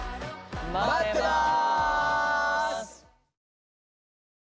まってます！